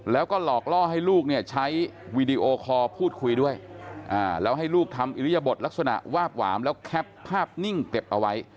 แล้วให้ลูกทำอิริยบทลักษณะวาบหวามแล้วแคปภาพนิ่งเต็บเอาไว้